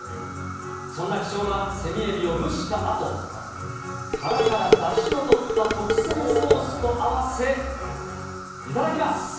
そんな貴重なセミエビを蒸したあと、殻からだしをとった特製ソースと合わせ、頂きます。